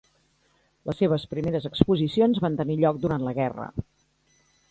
Les seves primeres exposicions van tenir lloc durant la guerra.